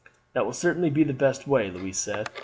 "That will certainly be the best way," Louise said.